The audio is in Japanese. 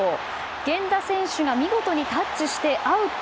源田選手が見事にタッチしてアウト。